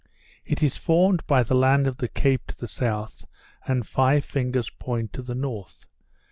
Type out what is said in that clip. It is formed by the land of the Cape to the south, and Five Fingers Point to the north.